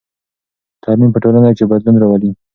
تعلیم په ټولنه کې بدلون راولي.